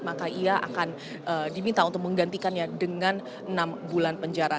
maka ia akan diminta untuk menggantikannya dengan enam bulan penjara